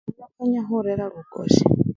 Obakhowenya khurera lukosi.